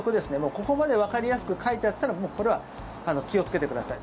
ここまでわかりやすく書いてあったらもうこれは気をつけてください。